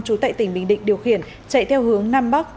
trú tại tỉnh bình định điều khiển chạy theo hướng nam bắc